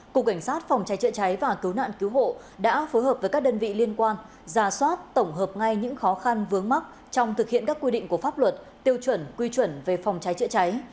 cục cảnh sát phòng cháy chữa cháy và cứu nạn cứu hộ đã phối hợp với các đơn vị liên quan ra soát tổng hợp ngay những khó khăn vướng mắt trong thực hiện các quy định của pháp luật tiêu chuẩn quy chuẩn về phòng cháy chữa cháy